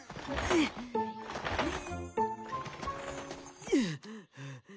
うん！